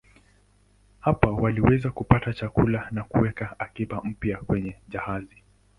Hapa waliweza kupata chakula na kuweka akiba mpya kwenye jahazi.